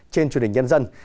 trên truyền hình nhân dân